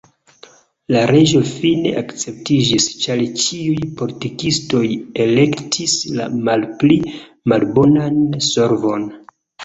La leĝo fine akceptiĝis, ĉar ĉiuj politikistoj elektis la malpli malbonan solvon.